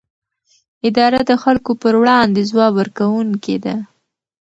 اداره د خلکو پر وړاندې ځواب ورکوونکې ده.